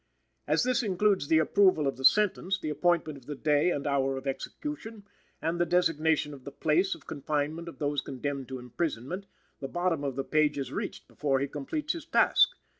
As this includes the approval of the sentences, the appointment of the day and hour of execution, and the designation of the place of confinement of those condemned to imprisonment, the bottom of the page is reached before he completes his task.